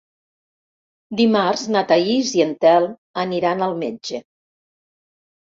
Dimarts na Thaís i en Telm aniran al metge.